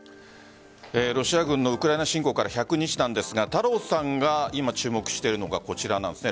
ロシア軍のウクライナ侵攻から１００日なんですが太郎さんが今注目しているのがこちらなんです。